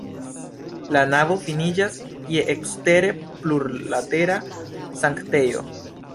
La navo finiĝas je ekstere plurlatera sanktejo.